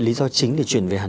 tức là họ sinh sống ở đây